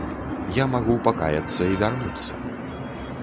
Я магу пакаяцца і вярнуцца.